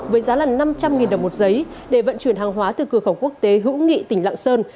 với giá là năm trăm linh đồng một giấy để vận chuyển hàng hóa từ cửa khẩu quốc tế hữu nghị tỉnh lạng sơn